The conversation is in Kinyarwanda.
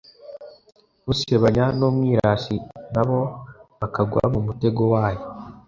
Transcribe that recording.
usebanya n'umwirasi na bo bakagwa mu mutego wayo